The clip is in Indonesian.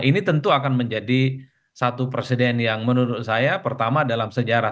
ini tentu akan menjadi satu presiden yang menurut saya pertama dalam sejarah